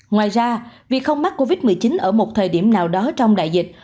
ngoài ra việc không mắc covid một mươi chín ở một thời điểm nào đó trong đại dịch